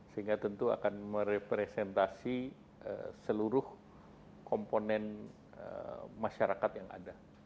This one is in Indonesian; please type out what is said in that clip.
sehingga tentu akan merepresentasi seluruh komponen masyarakat yang ada